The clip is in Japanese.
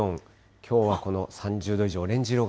きょうはこの３０度以上、オレンジ色が。